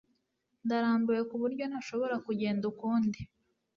Ndarambiwe kuburyo ntashobora kugenda ukundi